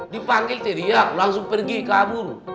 dipanggil teriak langsung pergi kabur